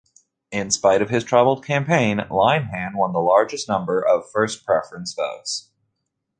In spite of his troubled campaign, Lenihan won the largest number of first-preference votes.